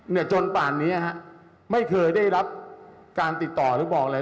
จนป่านนี้ฮะไม่เคยได้รับการติดต่อหรือบอกอะไร